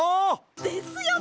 ですよね！